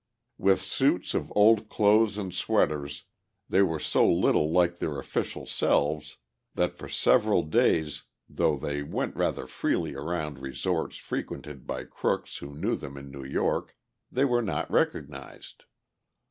With suits of old clothes and sweaters they were so little like their official selves that for several days, though they went rather freely around resorts frequented by crooks who knew them in New York, they were not recognized.